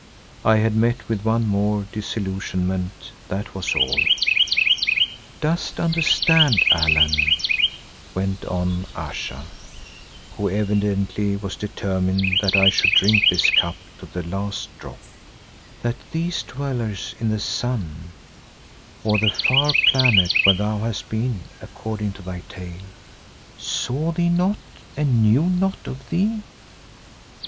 I had met with one more disillusionment, that was all. "Dost understand, Allan," went on Ayesha, who evidently was determined that I should drink this cup to the last drop, "that these dwellers in the sun, or the far planet where thou hast been according to thy tale, saw thee not and knew naught of thee?